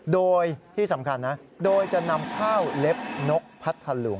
โดยที่สำคัญนะโดยจะนำข้าวเล็บนกพัทธลุง